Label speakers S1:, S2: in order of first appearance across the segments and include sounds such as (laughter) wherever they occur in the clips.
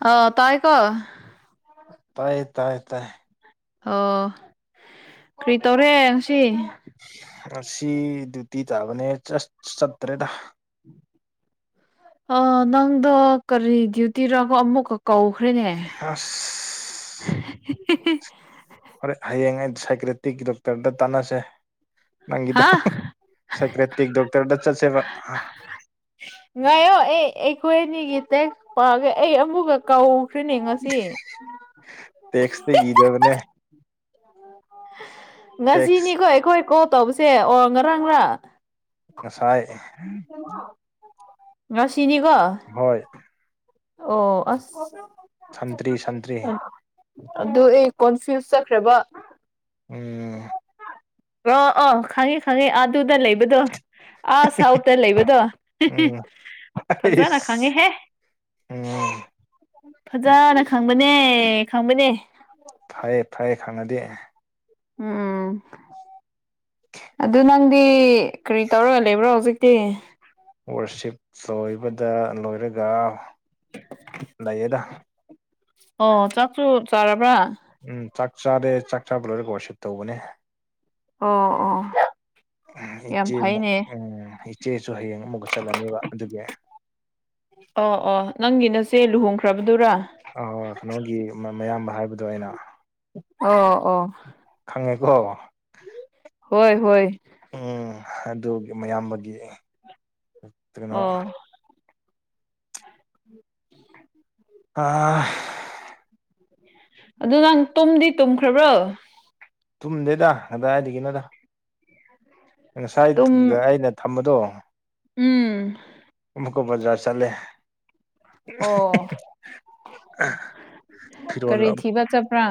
S1: ꯑ ꯇꯥꯏꯀꯣ
S2: ꯇꯥꯏ ꯇꯥꯏ ꯇꯥꯏ
S1: ꯑꯣ ꯀꯔꯤ ꯇꯧꯔꯦ ꯉꯁꯤ
S2: ꯑꯁꯤ ꯗ꯭ꯌꯨꯇꯤ ꯇꯥꯕꯅꯦ ꯆꯔꯁꯆ ꯆꯠꯇꯔꯦꯗ
S1: ꯅꯪꯗꯣ ꯀꯔꯤ ꯗ꯭ꯌꯨꯇꯤꯔꯒꯣ ꯑꯃꯨꯛꯀ ꯀꯧꯈ꯭ꯔꯦꯅꯦ
S2: ꯍꯁ
S1: (unintelligible)
S2: ꯍꯣꯔꯦ ꯍꯌꯦꯡ ꯑꯩ ꯁꯥꯏꯀꯦꯇꯤꯛꯀꯤ ꯗꯣꯛꯇꯔꯗ ꯇꯥꯟꯅꯁꯦ ꯅꯪꯒꯤꯗ
S1: ꯍꯥ
S2: ꯁꯥꯏꯀ꯭ꯔꯦꯇꯤꯛ ꯗꯣꯛꯇꯔꯗ ꯆꯠꯁꯦꯕ
S1: ꯉꯥꯏꯌꯣ ꯑꯦ ꯑꯩꯈꯣꯏ ꯑꯅꯤꯒꯤ ꯇꯦꯛꯁ ꯄꯥꯒꯦ ꯑꯩ ꯑꯃꯨꯛꯀ ꯀꯧꯈ꯭ꯔꯅꯦ ꯉꯁꯤ
S2: (unintelligible) ꯇꯦꯛꯁ
S1: ꯉꯁꯤꯅꯤꯀꯣ ꯑꯩꯈꯣꯏ ꯀꯣꯜ ꯇꯧꯕꯁꯦ ꯑꯣ ꯉꯔꯥꯡꯂꯥ
S2: ꯉꯁꯥꯏ
S1: (unintelligible) ꯉꯁꯤꯅꯤꯀꯣ
S2: ꯍꯣꯏ
S1: ꯑꯣ ꯑꯁ
S2: ꯁꯟꯇ꯭ꯔꯤ ꯁꯟꯇ꯭ꯔꯤ
S1: ꯑꯗꯨ ꯑꯩ ꯀꯣꯟꯐ꯭ꯌꯨꯁ ꯆꯠꯈ꯭ꯔꯦꯕ
S2: ꯎꯝ
S1: ꯑꯣ ꯑꯣ ꯈꯪꯉꯤ ꯈꯪꯉꯤ ꯑꯗꯨꯗ ꯂꯩꯕꯗꯣ ꯑꯥ ꯁꯥꯎꯠꯇ ꯂꯩꯕꯗꯣ
S2: ꯎꯝ
S1: ꯐꯖꯅ
S2: ꯑꯩꯁ
S1: ꯈꯪꯉꯦꯍꯦ
S2: ꯎꯝ
S1: ꯐꯖꯅ ꯈꯪꯕꯅꯦ ꯈꯪꯕꯅꯦ
S2: ꯐꯌꯦ ꯐꯌꯦ ꯈꯥꯟꯅꯗꯤꯦ
S1: ꯎꯝ ꯑꯗꯨ ꯅꯪꯗꯤ ꯀꯔꯤ ꯇꯧꯔꯒ ꯂꯩꯕ꯭ꯔꯣ ꯍꯧꯖꯤꯛꯇꯤ
S2: ꯋꯥꯔꯁꯤꯞ ꯂꯣꯏꯕꯗ ꯂꯣꯏꯔꯒ ꯂꯩꯌꯦꯗ
S1: ꯑꯣ ꯆꯥꯛꯁꯨ ꯆꯥꯔꯕ꯭ꯔꯥ
S2: ꯎꯝ ꯆꯥꯛ ꯆꯥꯔꯦ ꯆꯥꯛ ꯆꯥꯕ ꯂꯣꯏꯔꯦ ꯣꯔꯁꯤꯠ ꯇꯧꯕꯅꯦ
S1: ꯑꯣ ꯑꯣ ꯌꯥꯝ ꯐꯩꯅꯦ
S2: ꯆꯦꯁꯨ ꯍꯌꯦꯡ ꯑꯃꯨꯛ ꯆꯠꯂꯅꯦꯕ ꯑꯗꯨꯒꯤ
S1: ꯑꯣ ꯑꯣ ꯅꯪꯒꯤ ꯅꯆꯦ ꯂꯨꯍꯣꯡꯈ꯭ꯔꯕꯗꯨꯔꯥ
S2: ꯑ ꯀꯩꯅꯣꯒꯤ ꯃꯌꯥꯝꯕ ꯍꯥꯏꯕꯗꯣ ꯑꯩꯅ
S1: ꯑꯣ ꯑꯣ
S2: ꯈꯪꯉꯦꯀꯣ
S1: ꯍꯣꯏ ꯍꯣꯏ
S2: ꯎꯝ ꯑꯗꯨ ꯃꯌꯥꯝꯕꯒꯤ ꯀꯩꯅꯣ
S1: ꯑꯣ
S2: ꯑꯥ
S1: ꯑꯗꯨ ꯅꯪ ꯇꯨꯝꯗꯤ ꯇꯨꯝꯈ꯭ꯔꯕ꯭ꯔꯣ
S2: ꯇꯨꯝꯗꯦꯗ ꯀꯗꯥꯏꯗꯒꯤꯅꯗ ꯉꯁꯥꯏ
S1: ꯇꯨꯝ
S2: ꯑꯩꯅ ꯊꯝꯕꯗꯣ
S1: ꯎꯝ
S2: ꯃꯨꯀꯣ ꯖꯔ ꯆꯠꯂꯦ
S1: ꯑꯣ
S2: ꯐꯤꯔꯣꯜ
S1: ꯀꯔꯤ ꯊꯤꯕ ꯆꯠꯄ꯭ꯔꯥ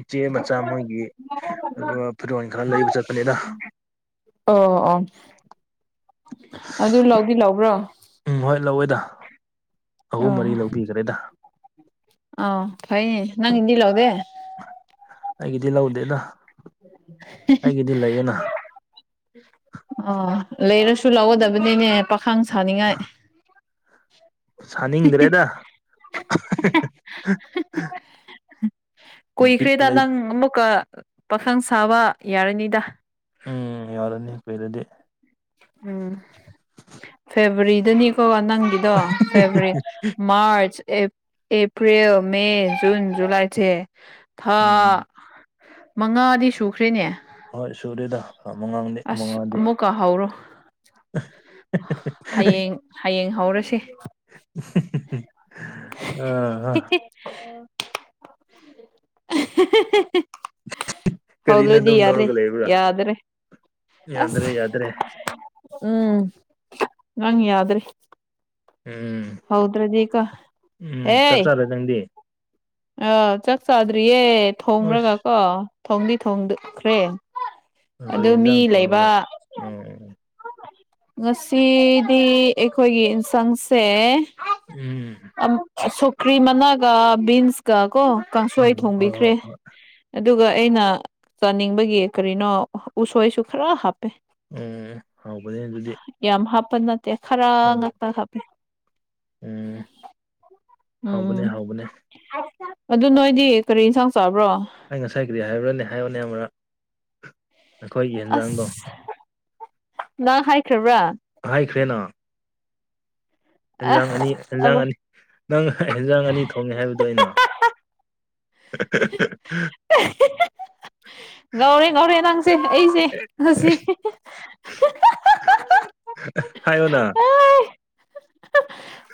S2: ꯏꯆꯦ ꯃꯆꯥ ꯃꯣꯏꯒꯤ ꯐꯨꯠꯕꯣꯜ ꯈꯔ ꯂꯩꯕ ꯆꯠꯄꯅꯤꯅ
S1: ꯑꯣ ꯑꯣ ꯑꯗꯨ ꯂꯧꯗꯤ ꯂꯧꯕ꯭ꯔꯣ
S2: ꯎꯝ ꯍꯣꯏ ꯂꯧꯋꯦꯗ ꯑꯍꯨꯝ ꯃꯔꯤ ꯂꯧꯕꯤꯈ꯭ꯔꯦꯗ
S1: ꯑ ꯐꯩꯅꯦ ꯅꯪ ꯏꯗꯤ ꯂꯣꯒꯦ
S2: ꯑꯩꯒꯤꯗꯤ ꯂꯧꯗꯦꯅ ꯑꯩꯒꯤꯗꯤ ꯂꯩꯌꯦꯅ
S1: ꯑꯥ ꯂꯩꯔꯁꯨ ꯂꯧꯒꯗꯕꯅꯤꯅꯦ ꯄꯥꯈꯥꯡ ꯁꯥꯅꯤꯡꯉꯥꯏ
S2: ꯁꯥꯅꯤꯡꯗ꯭ꯔꯦꯗ ꯕꯤꯠ
S1: ꯀꯨꯏꯈ꯭ꯔꯦꯗ
S2: ꯂꯩ
S1: ꯅꯪ ꯑꯃꯨꯛꯀ ꯄꯥꯈꯪ ꯁꯥꯕ ꯌꯥꯔꯅꯤꯗ
S2: ꯎꯝ ꯌꯥꯔꯅꯤ (unintelligible) ꯂꯥꯗꯤ
S1: ꯎꯝ ꯐꯦꯕꯋꯥꯔꯤꯗꯅꯤꯀꯣ ꯅꯪꯗꯤ ꯗꯣ ꯐꯦꯕ꯭ꯋꯥꯔꯤ ꯃꯥꯔꯆ ꯑꯦ ꯑꯦꯄ꯭ꯔꯤꯜ ꯃꯦ ꯖꯨꯟ ꯖꯨꯂꯥꯏꯁꯦ ꯊꯥ
S2: ꯎꯝ
S1: ꯃꯉꯥꯗꯤ ꯁꯨꯈ꯭ꯔꯦꯅꯦ
S2: ꯍꯣꯏ ꯁꯨꯨꯔꯦꯗ ꯃꯉꯥꯡꯗꯤ ꯃꯉꯥꯗꯤ
S1: ꯀꯥ ꯍꯧꯔꯣ ꯍꯌꯦꯡ ꯍꯌꯦꯡ ꯍꯧꯔꯁꯦ
S2: (unintelligible)
S1: (unintelligible)
S2: ꯀꯔꯤꯅꯣ
S1: ꯍꯧꯗ꯭ꯔꯗꯤ
S2: ꯑꯗꯨꯝ
S1: ꯌꯥꯔꯦ
S2: ꯇꯧꯔꯒ ꯂꯩꯕ꯭ꯔꯥ
S1: ꯌꯥꯗ꯭ꯔꯦ
S2: ꯌꯥꯗ꯭ꯔꯦ
S1: ꯑꯁ
S2: ꯌꯥꯗ꯭ꯔꯦ
S1: ꯎꯝ ꯅꯪ ꯌꯥꯗ꯭ꯔꯦ
S2: ꯎꯝ
S1: ꯍꯧꯗ꯭ꯔꯗꯤꯀꯣ
S2: ꯎꯝ ꯆꯥꯛ (unintelligible) ꯅꯪꯗꯤ
S1: ꯑꯥ ꯆꯥꯛ ꯆꯥꯗ꯭ꯔꯤꯌꯦ ꯊꯣꯡꯕ꯭ꯔꯒ ꯀꯣ
S2: ꯑꯁ
S1: ꯊꯣꯡꯗꯤ ꯊꯣꯡꯈ꯭ꯔꯦ
S2: ꯀꯔꯤ
S1: ꯑꯗꯨ ꯃꯤ
S2: ꯌꯦꯟꯁꯥꯡ
S1: ꯂꯩꯕ
S2: ꯊꯣꯡꯕꯒꯦ ꯎꯝ ꯎꯝ
S1: ꯉꯁꯤꯗꯤ ꯑꯩꯈꯣꯏꯒꯤ ꯌꯦꯟꯁꯥꯡꯁꯦ
S2: ꯎꯝ
S1: ꯁꯧꯒ꯭ꯔꯤ ꯃꯅꯥꯒ ꯕꯤꯟꯁꯀ ꯀꯣ ꯀꯥꯡꯁꯣꯏ
S2: ꯍꯣꯏ
S1: ꯊꯣꯡꯕꯤꯈ꯭ꯔꯦ
S2: ꯍꯣꯏ ꯍꯣꯏ
S1: ꯑꯗꯨꯒ ꯑꯩꯅ ꯆꯥꯅꯤꯡꯕꯒꯤ ꯀꯔꯤꯅꯣ ꯎꯁꯣꯏꯁꯨ ꯈꯔ ꯍꯥꯞꯄꯦ
S2: ꯎꯝ ꯍꯧꯕꯅꯦ ꯑꯗꯨꯗꯤ
S1: ꯌꯥꯝ ꯍꯥꯞꯄ ꯅꯠꯇꯦ ꯈꯔ
S2: ꯎꯝ
S1: ꯉꯥꯛꯇ ꯍꯥꯞ
S2: ꯎꯝ ꯍꯥꯎꯕꯅꯦ
S1: ꯎꯝ
S2: ꯍꯥꯎꯕꯅꯦ
S1: ꯑꯗꯨ ꯅꯣꯏꯗꯤ ꯀꯔꯤ ꯌꯦꯟꯁꯥꯡ ꯆꯥꯕ꯭ꯔꯣ
S2: ꯑꯩ ꯉꯁꯥꯏ ꯀꯔꯤ ꯍꯥꯏꯕꯔꯅꯦ ꯍꯥꯏꯔꯌꯨꯅꯦ ꯑꯃꯨꯔꯛ ꯑꯩꯈꯣꯏꯒꯤ ꯌꯦꯟꯖꯥꯡꯗꯣ
S1: ꯑꯁ ꯅꯪ ꯍꯥꯏꯈ꯭ꯔꯕ꯭ꯔꯥ
S2: ꯍꯥꯏꯈ꯭ꯔꯦꯅ ꯑꯦꯟꯖꯥꯡ ꯑꯅꯤ
S1: ꯑꯁ
S2: ꯑꯦꯟꯖꯥꯡ ꯑꯅꯤ ꯅꯪ ꯑꯦꯟꯖꯥꯡ ꯑꯅꯤ ꯊꯣꯡꯉꯦ ꯍꯥꯏꯕꯗꯣ ꯑꯩꯅ
S1: ꯉꯥꯎꯔꯦ ꯉꯥꯎꯔꯦ ꯅꯥꯡꯁꯦ ꯑꯩꯁꯦ ꯉꯁꯤ
S2: ꯍꯥꯏꯌꯣꯅꯥ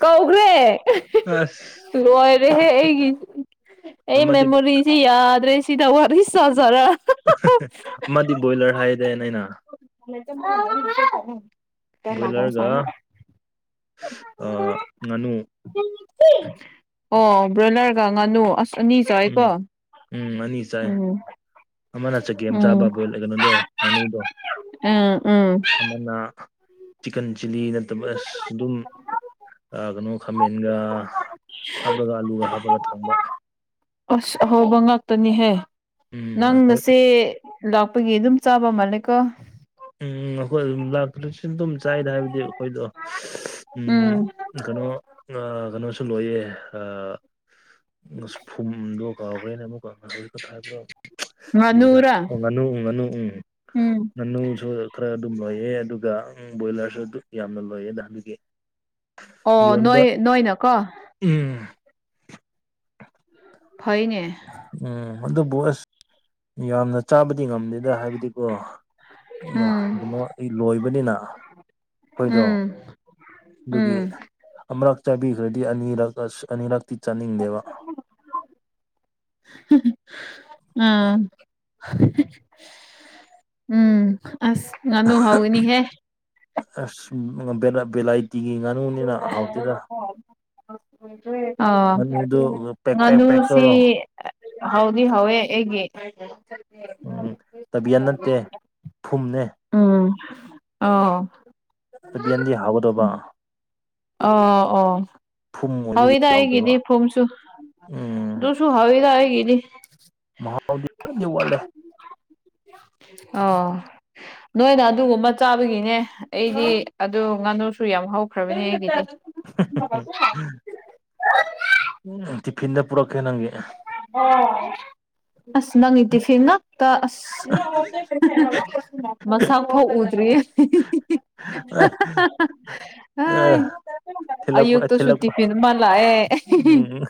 S1: ꯀꯧꯈ꯭ꯔꯦ
S2: ꯑꯁ
S1: ꯂꯣꯏꯔꯦꯍꯦ ꯑꯩꯒꯤ ꯑꯩ
S2: ꯑꯃꯗꯤ
S1: ꯃꯦꯃꯣꯔꯤꯁꯤ ꯌꯥꯗꯦ ꯁꯤꯗ ꯋꯥꯠꯏꯁ ꯆꯖꯔꯥ
S2: ꯑꯃꯗꯤ ꯕꯣꯏꯂꯔ ꯍꯥꯏꯔꯦꯅꯦ ꯑꯩꯅ
S1: (unintelligible)
S2: ꯑ ꯉꯥꯅꯨ
S1: ꯑꯣ ꯕ꯭ꯔꯣꯏꯂꯔꯒ ꯉꯥꯅꯨ ꯑꯁ ꯑꯅꯤ ꯆꯥꯏꯀꯣ
S2: ꯎꯝ ꯎꯝ ꯑꯅꯤ ꯆꯥꯏ
S1: ꯎꯝ
S2: ꯑꯃꯅ ꯆꯥꯒꯦꯝ ꯆꯥꯕ
S1: ꯎꯝ
S2: ꯕꯣꯏꯜ ꯀꯩꯅꯣꯗꯣ ꯉꯥꯅꯨꯗꯣ
S1: ꯎꯝ ꯎꯝ
S2: ꯑꯃꯅ ꯆꯤꯛꯀꯟ ꯆꯤꯂꯤ ꯅꯠꯇꯕ ꯑꯁ ꯑꯗꯨꯝ ꯑꯥ ꯀꯩꯅꯣ ꯈꯥꯃꯦꯟꯒ ꯍꯥꯞꯄꯒ ꯑꯂꯨꯒ ꯍꯥꯞꯄꯒ ꯊꯣꯡꯕ
S1: ꯑꯁ ꯑꯍꯧꯕ ꯉꯥꯛꯇꯅꯤꯍꯦ
S2: ꯎꯝ ꯑꯩꯈꯣꯏ
S1: ꯅꯪꯁꯦ ꯂꯥꯛꯄꯒꯤ ꯑꯗꯨꯝ ꯆꯥꯕ ꯃꯥꯜꯂꯦꯀꯣ
S2: ꯎꯝ ꯑꯩꯈꯣꯏ ꯑꯗꯨꯝ ꯂꯥꯛꯇ꯭ꯔꯁꯨ ꯑꯗꯨꯝ ꯆꯥꯏꯗ ꯍꯥꯏꯕꯗꯤ ꯑꯩꯈꯣꯏꯗꯣ ꯎꯝ ꯀꯩꯅꯣ ꯀꯩꯅꯣꯁꯨ ꯂꯣꯏꯌꯦ ꯑꯥ ꯐꯨꯝꯗꯣ ꯀꯥꯎꯈ꯭ꯔꯦꯅꯦ ꯑꯃꯨꯛꯀ ꯍꯧꯖꯤꯛ ꯍꯥꯏꯕꯗꯣ ꯀꯔꯤꯔ
S1: ꯉꯥꯅꯨꯔꯥ
S2: ꯑꫭ ꯉꯥꯅꯨ ꯉꯥꯅꯨ ꯎꯝ
S1: ꯎꯝ
S2: ꯉꯥꯅꯨꯁꯨ ꯈꯔ ꯑꯗꯨꯝ ꯂꯣꯏꯌꯦ ꯑꯗꯨꯒ ꯕꯣꯏꯂꯔꯁꯨ ꯑꯗꯨ ꯌꯥꯝꯅ ꯂꯣꯏꯌꯦ ꯑꯗꯨꯒꯤ
S1: ꯑꯣ
S2: ꯌꯣꯟꯕ
S1: ꯅꯣꯏ ꯅꯣꯏꯅ ꯀꯣ
S2: ꯎꯝ
S1: ꯐꯩꯅꯦ
S2: ꯎꯝ ꯑꯗꯨꯕꯨ ꯑꯁ ꯌꯥꯝꯅ ꯆꯥꯕꯗꯤ ꯉꯝꯗꯦꯗ ꯍꯥꯏꯕꯗꯤꯀꯣ
S1: ꯎꯝ
S2: ꯀꯩꯅꯣ ꯑꯩ ꯂꯣꯏꯕꯅꯤꯅ ꯑꯩꯈꯣꯏꯗꯣ
S1: ꯎꯝ
S2: ꯑꯗꯨꯒꯤ
S1: ꯎꯝ
S2: ꯑꯃꯨꯔꯛ ꯆꯥꯕꯤꯈ꯭ꯔꯗꯤ ꯑꯅꯤꯔꯛ ꯑꯁ ꯑꯅꯤꯔꯛꯇꯤ ꯆꯥꯅꯤꯡꯗꯦꯕ꯫
S1: ꯑꯥ (unintelligible) ꯎꯝ ꯑꯁ ꯉꯅꯨ ꯍꯥꯎꯅꯤ ꯍꯦ
S2: ꯑꯁ ꯕꯦꯂꯥꯏꯇꯤꯒꯤ ꯉꯥꯅꯨꯅꯤꯅ ꯍꯥꯎꯇꯦꯗ
S1: ꯑ
S2: ꯉꯥꯅꯨꯗꯨ ꯄꯦꯛ ꯄꯦꯛ ꯄꯦꯛ
S1: ꯉꯅꯨꯁꯤ
S2: ꯇꯧ
S1: ꯍꯥꯎꯗꯤ ꯍꯥꯎꯋꯦ ꯑꯩꯒꯤ
S2: ꯎꯝ ꯇꯕꯤꯌꯟ ꯅꯠꯇꯦ ꯐꯨꯝꯅꯦ
S1: ꯎꯝ ꯑꯣ
S2: ꯇꯕꯤꯌꯟꯗꯤ ꯍꯥꯎꯒꯗꯧꯕ
S1: ꯑꯣ
S2: ꯐꯨꯝ ꯑꯣꯏꯕꯒꯤ
S1: ꯍꯥꯎꯗ
S2: ꯍꯥꯎꯗꯕ
S1: ꯍꯥꯏꯒꯗꯤ ꯐꯣꯝꯁꯨ
S2: ꯎꯝ
S1: ꯇꯁꯨ ꯍꯥꯎꯋꯤꯗ
S2: ꯃꯍꯧꯗꯤ ꯈꯔꯗꯤ ꯋꯥꯠꯂꯦ꯫
S1: ꯑꯣ ꯅꯣꯏꯅ ꯑꯗꯨꯒꯨꯝꯕ ꯆꯥꯕꯒꯤꯅꯦ ꯑꯩꯗꯤ ꯑꯗꯨ ꯉꯥꯅꯨꯁꯨ ꯌꯥꯝ ꯍꯧꯈ꯭ꯔꯕꯅꯤ ꯑꯩꯒꯤꯗꯤ
S2: ꯎꯝ ꯇꯤꯐꯤꯟꯗ ꯄꯨꯔꯛꯀꯦ ꯅꯪꯒꯤ
S1: ꯑꯁ ꯅꯪꯒꯤ ꯇꯤꯐꯤꯟ ꯉꯛ ꯇ ꯑꯁ ꯃꯁꯥ ꯐꯥꯎ ꯎꯗ꯭ꯔꯤꯌꯦ (unintelligible) ꯑ
S2: ꯊꯤꯜꯂꯛꯄ
S1: ꯑꯌꯨꯛꯇꯛꯇ ꯁ
S2: ꯊꯤꯜꯂꯛꯄ
S1: ꯇꯤꯐꯤꯟ ꯃꯂ ꯑꯦ
S2: ꯎꯝ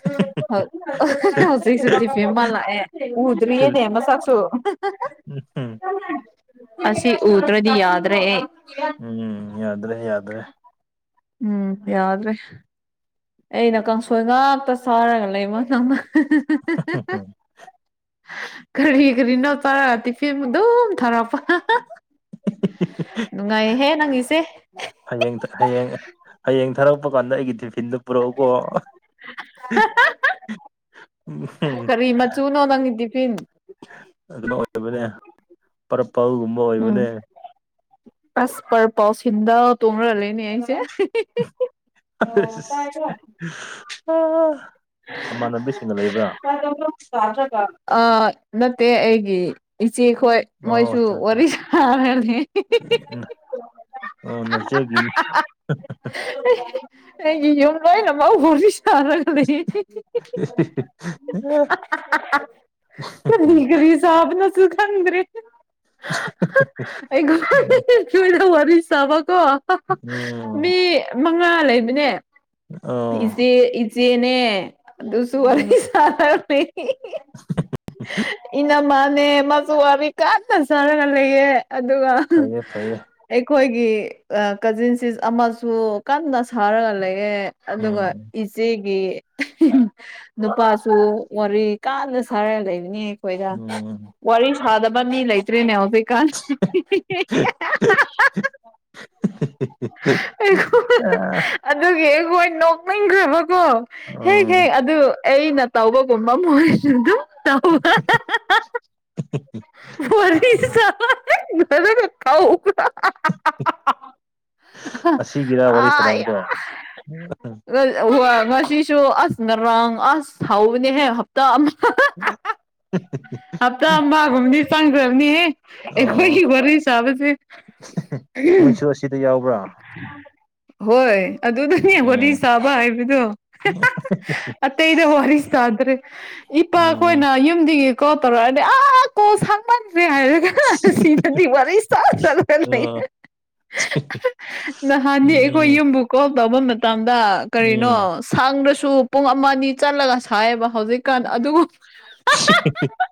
S1: ꯍꯧꯖꯤꯛꯁꯨꯛꯇꯤ ꯐꯦꯃꯜ ꯂꯥꯛꯑꯦ ꯎꯗ꯭ꯔꯤꯌꯦꯅꯦ ꯃꯁꯛꯁꯨ
S2: ꯎ ꯍꯝ
S1: ꯑꯁꯤꯁ ꯎꯇꯔꯗꯤ ꯌꯥꯗ ꯔꯦ
S2: ꯎꯝ ꯌꯥꯗ꯭ꯔꯦ ꯌꯥꯗ꯭ꯔꯦ
S1: ꯎꯝ ꯌꯥꯎꯗ꯭ꯔꯦ ꯑꯩꯅ ꯀꯥꯡꯁꯣꯏ ꯉꯥꯛꯇ ꯆꯥꯔꯒ ꯂꯩꯕ ꯀꯔꯤ ꯀꯔꯤꯅꯣ ꯆꯥꯔ ꯇꯤꯐꯤꯟ ꯑꯗꯨꯝ ꯊꯔꯛꯄ꯫ ꯅꯨꯡꯉꯥꯏꯍꯦ ꯅꯪꯒꯤꯁꯦ
S2: ꯍꯌꯦꯡ ꯍꯌꯦꯡ ꯍꯌꯦꯡ ꯊꯥꯔꯛꯄ ꯀꯥꯟꯗ ꯑꯩꯒꯤ ꯇꯤꯐꯤꯟꯗꯨ ꯭ꯄꯨꯔꯛꯎꯀꯣ
S1: ꯇꯨꯅꯣ ꯅꯪꯒꯤ ꯇꯤꯐꯤꯟ꯫
S2: ꯑꯗꯨꯅ ꯑꯣꯏꯕꯅꯦ ꯄꯔꯄꯜꯒꯨꯝꯕ꯫
S1: ꯎꯝ
S2: ꯑꯣꯏꯕꯅꯦ
S1: ꯑꯁ ꯄꯔ ꯄꯥꯎꯁ ꯍꯗ ꯇꯣꯡꯉꯔ ꯂꯩꯦꯅꯦ ꯑꯩꯁꯦ
S2: ꯑꯣ
S1: ꯍ ꯑ ꯅꯠꯇꯦ ꯑꯩꯒꯤ ꯏꯆꯦꯈꯣꯏ
S2: ꯑꯣ
S1: ꯃꯣꯏꯁꯨ
S2: ꯑꯆꯥ ꯑꯆꯥ
S1: ꯑꯣꯔꯤꯁꯥ
S2: ꯑ ꯅꯆꯦꯒꯤ
S1: ꯑꯦ ꯑꯩꯒꯤ ꯌꯨꯝ ꯂꯥꯏꯅ ꯃꯥ ꯍꯁꯤ ꯁꯥꯥꯟꯔꯒ ꯂꯩ
S2: ꯑ
S1: ꯂꯤꯒꯔꯤ ꯁꯥꯕꯅꯁꯨ ꯈꯥꯟꯗ꯭ꯔꯦ ꯑꯩꯒꯣ ꯆꯣꯏꯗ ꯋꯥꯔꯤꯔꯤꯁ ꯆꯕ ꯀꯣ
S2: ꯎꯝ
S1: ꯃꯉꯥ ꯂꯩꯕꯅꯦ
S2: ꯑꯣ
S1: ꯏꯆꯦ ꯏꯆꯦꯅꯦ ꯑꯗꯨꯁꯨ ꯋꯥꯔꯤ ꯁꯥꯦ ꯏꯅꯃꯅꯦ ꯃꯥꯁꯨ ꯋꯥꯕꯤ ꯀꯥꯟꯟꯅ ꯆꯥꯔꯒ ꯂꯩꯌꯦ ꯑꯗꯨꯒ
S2: ꯐꯩꯌꯦ ꯐꯩꯌꯦ
S1: ꯑꯩꯈꯣꯏꯒꯤ ꯀꯖꯤꯟꯁꯤ ꯑꯃꯁꯨ ꯀꯟꯅ ꯁꯥꯔꯒ ꯂꯩꯑꯦ ꯑꯗꯨꯉ
S2: ꯎꯝ
S1: ꯏꯆꯦꯒꯤ ꯅꯨꯄꯥꯁꯨ ꯋꯥꯔꯤ ꯀꯥꯟꯅ ꯁꯥꯔꯒ ꯂꯩꯕꯅꯤ ꯑꯩꯈꯣꯏꯗ
S2: ꯎꯝ
S1: ꯋꯥꯔꯤ ꯁꯥꯗꯕ ꯃꯤ ꯂꯩꯇ꯭ꯔꯤꯅꯦ ꯩꯀꯥꯜ
S2: (unintelligible)
S1: ꯑꯗꯨꯒꯤ ꯑꯩꯈꯣꯏ ꯅꯣꯛꯅꯤꯡꯈ꯭ꯔꯕ ꯀꯣ ꯍꯦꯛ ꯍꯦꯛ
S2: ꯎꯝ
S1: ꯑꯗꯨ ꯑꯩꯅ ꯇꯧꯕꯒꯨꯝꯕ ꯃꯣꯏꯁꯤꯡꯗ ꯇ ꯈꯥꯎ
S2: ꯑꯁꯤꯒꯤꯔ ꯋꯥꯔꯤ
S1: ꯑ
S2: ꯁꯥꯟꯅꯕꯗꯣ
S1: ꯉꯥꯁꯤꯁꯨ ꯑꯁ ꯉꯔꯥꯡ ꯑꯁ ꯍꯥꯎꯕꯅꯦꯍꯦ ꯍꯞꯇꯥ ꯑꯃ
S2: (unintelligible)
S1: ꯍꯞꯇꯥ ꯑꯃꯒꯨꯝꯅꯤ ꯆꯪꯈ꯭ꯔꯕꯅꯤꯍꯦ ꯑꯩ
S2: ꯑꯣ
S1: ꯋꯥꯔꯤꯔꯁꯕꯗꯤ
S2: ꯁꯤꯗ ꯌꯥꯎꯕ꯭ꯔꯥ
S1: ꯍꯣꯏ ꯑꯗꯨꯗꯅꯦ ꯋꯥꯔꯤꯗꯤ
S2: ꯎꯝ
S1: ꯁꯥꯕ ꯍꯥꯏꯕꯗꯣ ꯑꯇꯩꯩꯗ ꯋꯥꯔꯤꯁꯥꯟꯗ꯭ꯔꯦ ꯏ
S2: ꯎꯝ
S1: ꯄꯈꯣꯏꯅ ꯌ ꯀꯣ ꯇꯔꯣ ꯑꯗꯤ ꯑ ꯀꯣ ꯁ ꯃ ꯁꯤ ꯑꯗꯤ ꯃꯔ ꯆ ꯆ
S2: ꯑ
S1: (unintelligible) ꯅꯍꯥꯟꯅꯦ ꯑꯩꯈꯣꯏ
S2: ꯎꯝ
S1: ꯌꯨꯝꯕꯨ ꯀꯣꯜ ꯇꯧꯕ ꯃꯇꯝꯗ ꯀꯔꯤꯅꯣ
S2: ꯎꯝ ꯎꯝ
S1: ꯁꯥꯡꯗ꯭ꯔꯁꯨ ꯄꯨꯡ ꯑꯃ ꯑꯅꯤ ꯆꯠꯂꯒ ꯁꯥꯏꯌꯦꯕ ꯍꯧꯖꯤꯛꯀꯥꯟ ꯑꯗꯨꯒ
S2: (inaudible)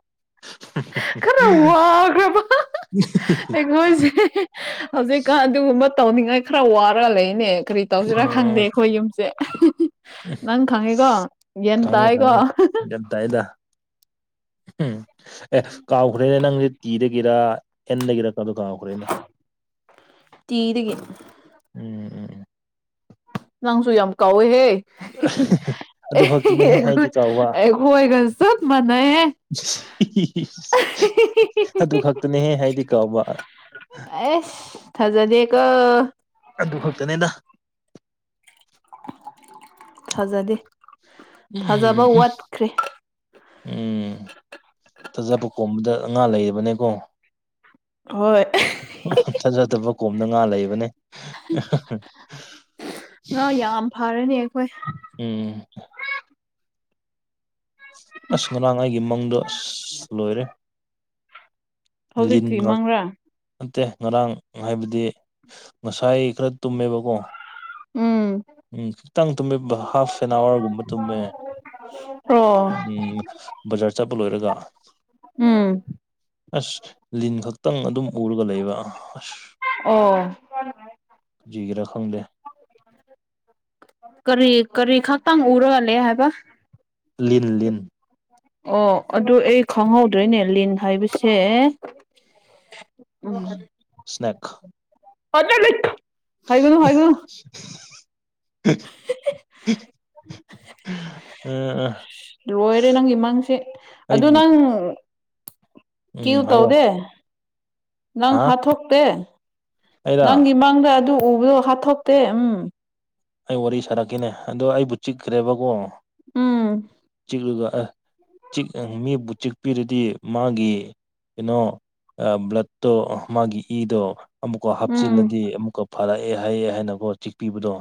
S1: ꯈꯔ ꯋꯥꯈ꯭ꯔꯕ ꯃꯣꯏꯁꯦ ꯍꯧꯖꯤꯛꯀꯥꯟ ꯑꯗꯨꯒꯨꯝꯕ ꯇꯧꯅꯤꯡꯉꯥꯏ ꯈꯔ ꯋꯥꯔꯒ ꯂꯩꯅꯦ ꯀꯔꯤ ꯇꯧꯁꯤꯔꯥ ꯈꯪꯗꯦ ꯑꯩꯈꯣꯏ ꯌꯨꯝꯁꯦ ꯅꯪ ꯈꯪꯉꯤꯀꯣ ꯌꯦꯟ ꯇꯥꯏꯥꯏꯀꯣ
S2: ꯌꯦ ꯇꯏꯗ ꯎꯝ ꯑꯦ ꯀꯥꯎꯈ꯭ꯔꯦꯅꯦ ꯅꯪꯁꯦ ꯇꯤꯗꯒꯤꯔ ꯑꯦꯟꯗꯒꯤꯔ ꯀꯗꯣ ꯀꯥꯎꯈ꯭ꯔꯦꯅꯦ
S1: ꯆꯤꯗꯒ
S2: ꯎꯝ ꯎꯝ
S1: ꯅꯪꯁꯨ ꯌꯥꯝ ꯀꯥꯎꯋꯦꯍꯦ
S2: ꯑꯗꯨ ꯈꯛꯇꯅꯦꯍꯦ
S1: ꯑꯦꯈꯣꯏ
S2: ꯍꯥꯏꯗꯤ ꯀꯥꯎꯕ
S1: ꯑꯩꯈꯣꯏꯒ ꯆꯠ ꯃꯥꯟꯅꯩꯍꯦ
S2: ꯑꯗꯨ ꯈꯛꯇꯅꯦꯍꯦ ꯍꯥꯏꯗꯤ ꯀꯥꯎꯕ
S1: ꯑꯦꯁ ꯊꯖꯅꯦꯀ
S2: ꯑꯗꯨ ꯈꯛꯇꯅꯦꯗ
S1: ꯊꯥꯖꯗꯦ ꯊꯥꯖꯕ
S2: ꯎꯝ
S1: ꯋꯥꯠꯈ꯭ꯔꯦ
S2: ꯎꯝ ꯐꯖꯕ ꯀꯣꯝꯕꯗ ꯉꯉꯥ ꯂꯩꯔꯤꯕꯅꯦꯀꯣ
S1: ꯍꯣꯏ
S2: ꯊꯥꯖꯗꯕ ꯀꯣꯝꯗ ꯉꯥ ꯂꯩꯕꯅꯦ
S1: ꯉꯥ ꯌꯥꯝ ꯐꯔꯅꯤ ꯑꯩꯈꯣꯏ
S2: ꯎꯝ ꯑꯁ ꯉꯔꯥꯡ ꯑꯩꯒꯤ ꯃꯪꯗꯣ ꯑꯁ ꯂꯣꯏꯔꯦ ꯂꯤꯟ
S1: ꯍꯧꯖꯤꯛꯇꯤ ꯃꯪꯔꯥ
S2: ꯅꯠꯇꯦ ꯉꯔꯥꯡ ꯍꯥꯏꯕꯗꯤ ꯉꯁꯥꯏ ꯈꯔ ꯇꯨꯝꯃꯦꯕꯀꯣ
S1: ꯎꯝ
S2: ꯎꯝ ꯈꯤꯇꯪ ꯇꯨꯝꯃꯦ ꯍꯥꯐ ꯑꯦꯟ ꯑꯋꯥꯔꯒꯨꯝꯕ ꯇꯨꯝꯃꯦ
S1: ꯑꯣ
S2: ꯎꯝ ꯕꯖꯥꯔ ꯆꯠꯄ ꯂꯣꯏꯔꯒ
S1: ꯎꯝ
S2: ꯑꯁ ꯂꯤꯟ ꯈꯛꯇꯪ ꯑꯗꯨꯝ ꯎꯔꯒ ꯂꯩꯕ ꯑꯁ
S1: (inaudible)
S2: ꯖꯤꯒꯔꯥ ꯈꯪꯗꯦ
S1: ꯀꯔꯤ ꯀꯔꯤ ꯈꯪꯇꯪ ꯎꯔ ꯋꯥꯂꯦ ꯍꯥꯏꯦꯕ
S2: ꯂꯤꯟ ꯂꯤꯤꯟ
S1: ꯑꯣ ꯑꯗꯨ ꯑꯩ ꯈꯪꯍꯧꯗ꯭ꯔꯣꯏꯅꯦ ꯂꯤꯟ ꯍꯥꯏꯕꯁꯦ
S2: ꯁ꯭ꯅꯦꯛ
S1: ꯍꯥꯏꯒꯅꯣ ꯍꯥꯏꯒ
S2: ꯎ (unintelligible) ꯎ ꯑ (unintelligible)
S1: ꯂꯣꯏꯔꯦ ꯅꯪꯒꯤ ꯏ ꯃꯥꯡꯁꯦ ꯑꯗꯨ
S2: ꯑꯩꯕꯨ
S1: ꯅꯪ
S2: ꯎꯝ
S1: ꯀ꯭ꯌꯨ
S2: ꯍꯥꯏꯌꯣ
S1: ꯇꯧꯗꯦ ꯅꯪ
S2: ꯍꯥ
S1: ꯍꯥꯠꯇꯣꯛꯇꯦ
S2: ꯑꯩꯔ
S1: ꯅꯪꯒꯤ ꯃꯥꯡ ꯈꯪꯗ ꯑꯗꯨ ꯎꯕꯗꯣ ꯍꯥꯠꯇꯣꯛꯇꯦ ꯎꯝ
S2: ꯑꯩ ꯋꯥꯔꯤ ꯁꯥꯔꯛꯀꯦꯅꯦ ꯑꯗꯣ ꯑꯩꯕꯨ ꯆꯤꯛꯈ꯭ꯔꯦꯕꯀꯣ
S1: ꯎꯝ
S2: ꯃꯤꯕꯨ ꯆꯤꯛꯄꯤꯔꯗꯤ ꯃꯥꯒꯤ ꯀꯩꯅꯣ ꯑ ꯕ꯭ꯂꯠꯇꯣ ꯃꯥꯒꯤ ꯏꯗꯣ ꯑꯃꯨꯛꯀ
S1: ꯎꯝ
S2: ꯍꯥꯞꯆꯤꯜꯂꯗꯤ ꯑꯃꯨꯛꯀ ꯐꯔꯛꯑꯦ ꯍꯥꯏꯑꯦ ꯍꯥꯏꯅꯀꯣ ꯆꯤꯛꯄꯤꯕꯗꯣ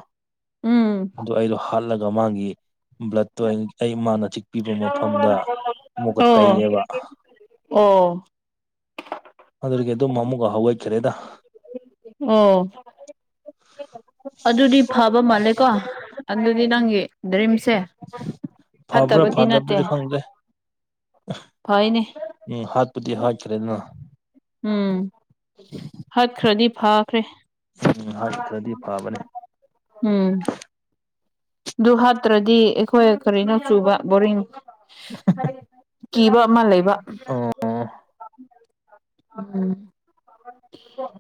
S1: ꯎꯝ
S2: ꯑꯗꯨ ꯑꯩꯗꯣ ꯍꯥꯠꯂꯒ ꯃꯥꯒꯤ ꯕ꯭ꯂꯠꯇꯣ ꯑꯩ ꯃꯥꯅ ꯆꯤꯛꯄꯤꯕ ꯃꯐꯝꯗ ꯑꯃꯨꯛꯀ
S1: ꯑꯣ
S2: ꯇꯩꯌꯦꯕ
S1: ꯑꯣ
S2: ꯑꯗꯨꯗꯒꯤ ꯑꯗꯨꯝ ꯑꯃꯨꯛ ꯍꯋꯥꯏꯈꯔꯦꯗ
S1: ꯑꯣ ꯑꯗꯨꯗꯤ ꯐꯕ ꯃꯥꯜꯂꯦꯀꯣ ꯑꯗꯨꯗꯤ ꯅꯪꯒꯤ ꯗ꯭ꯔꯤꯝꯁꯦ
S2: ꯐꯕ꯭ꯔ
S1: ꯐꯠꯇꯕꯗꯤ
S2: ꯐꯥꯗꯕ꯭ꯔ ꯈꯪꯦ
S1: ꯐꯅꯦ
S2: ꯎꯝ ꯍꯥꯠ ꯄꯠꯇ ꯍꯥ ꯆꯦꯅ
S1: ꯎꯝ ꯍꯠꯈ꯭ꯔꯗꯤ ꯐꯈ꯭ꯔꯦ
S2: ꯍꯥꯠ ꯈꯔꯗꯤ ꯐꯕꯅꯦ
S1: ꯎꯝ ꯑꯗꯨ ꯍꯥꯠꯇ꯭ꯔꯗꯤ ꯑꯩꯈꯣꯏ ꯀꯔꯤꯅꯣ ꯆꯨꯕ ꯕꯣꯔꯤꯡ ꯀꯤꯕ ꯑꯃ ꯂꯩꯕ
S2: ꯑꯣ
S1: ꯎꯝ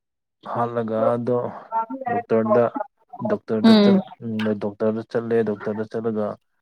S2: ꯍꯥꯠꯂꯒ ꯑꯗꯣ ꯗꯣꯛꯇꯔꯗ ꯗꯣꯛꯇꯔꯗ
S1: ꯎꯝ
S2: ꯎ ꯗꯣꯛꯇꯔꯗ ꯆꯠꯂꯦ ꯗꯣꯛꯇꯔꯗ ꯆꯠꯂꯒ